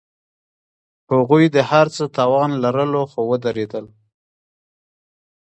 هغوی د هر څه توان لرلو، خو ودریدل.